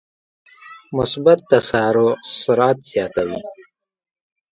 مثبت تسارع سرعت زیاتوي.